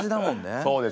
そうですね。